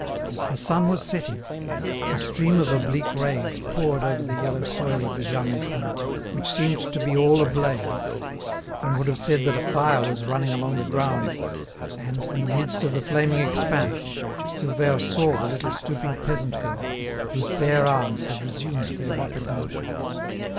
The sun was setting; a stream of oblique rays poured over the yellow soil of the Jas Meiffren, which seemed to be all ablaze—one would have said that a fire was running along the ground—and, in the midst of the flaming expanse, Silvère saw the little stooping peasant girl, whose bare arms had resumed their rapid motion.